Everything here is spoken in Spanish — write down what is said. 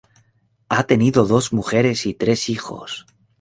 Ha tenido dos mujeres y tres hijos.